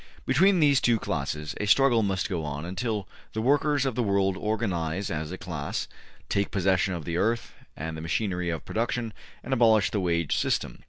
Between these two classes, a struggle must go on until the workers of the world organize as a class, take possession of the earth and the machinery of production, and abolish the wage system.